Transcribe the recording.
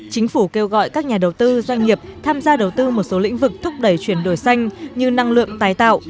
chính phủ kêu gọi các nhà đầu tư doanh nghiệp tham gia đầu tư một số lĩnh vực thúc đẩy chuyển đổi xanh như năng lượng tài tạo